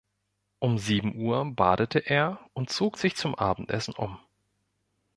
Um sieben Uhr badete er und zog sich zum Abendessen um.